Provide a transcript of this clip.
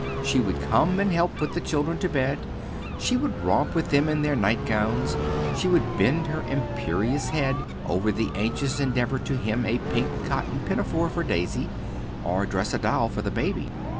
She would come and help put the children to bed; she would romp with them in their night gowns; she would bend her imperious head over the anxious endeavour to hem a pink cotton pinafore for Daisy, or dress a doll for the baby.